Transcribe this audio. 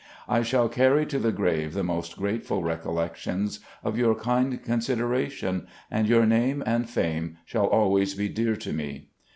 I shall carry to the grave the most grateful recollections of your l^d considera tion, and your name and fame shall always be dear to me.